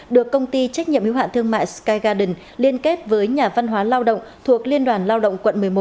được công ty trách nhiệm hiếu hạn thương mại sky garden liên kết với nhà văn hóa lao động thuộc liên đoàn lao động quận một mươi một